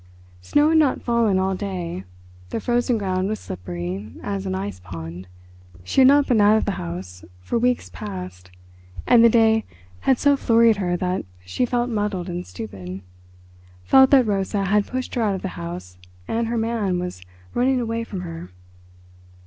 Snow had not fallen all day; the frozen ground was slippery as an icepond. She had not been out of the house for weeks past, and the day had so flurried her that she felt muddled and stupid—felt that Rosa had pushed her out of the house and her man was running away from her.